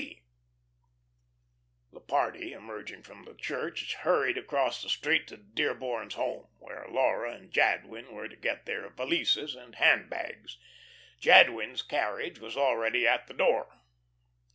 C." The party, emerging from the church, hurried across the street to the Dearborns' home, where Laura and Jadwin were to get their valises and hand bags. Jadwin's carriage was already at the door.